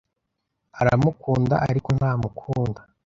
Aramukunda, ariko ntamukunda.